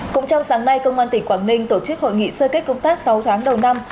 cũng trong sáng nay công an tỉnh quảng ninh tổ chức hội nghị sơ kết công tác sáu tháng đầu năm